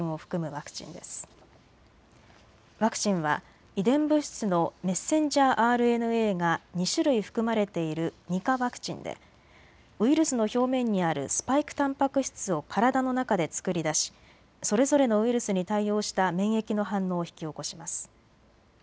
ワクチンは遺伝物質のメッセンジャーＲＮＡが２種類含まれている２価ワクチンでウイルスの表面にあるスパイクたんぱく質を体の中で作り出しそれぞれのウイルスに対応した免疫の反応を引き起こします。